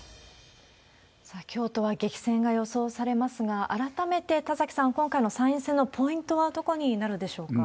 さあ、京都は激戦が予想されますが、改めて、田崎さん、今回の参院選のポイントはどこになるでしょうか？